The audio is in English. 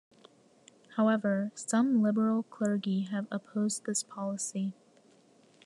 However, some liberal clergy have opposed this policy.